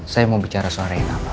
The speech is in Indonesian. saya mau bicara sama rena pak